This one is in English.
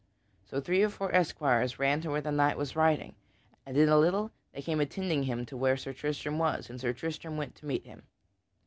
So three or four esquires ran to where that knight was riding, and in a little they came attending him to where Sir Tristram was, and Sir Tristram went to meet him.